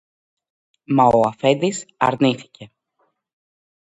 Μα ο αφέντης αρνήθηκε.